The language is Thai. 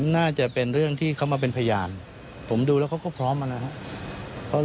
น่าจะเป็นเรื่องที่เขามาเป็นพยานผมดูแล้วเขาก็พร้อมนะครับ